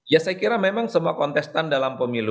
ya saya kira memang semua kontestan dalam pemilu